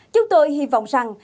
chúng tôi hy vọng rằng